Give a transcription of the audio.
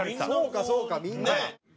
そうかそうかみんな。